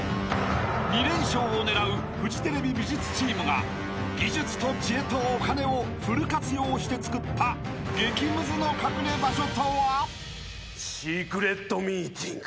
［２連勝を狙うフジテレビ美術チームが技術と知恵とお金をフル活用してつくった激ムズの隠れ場所とは］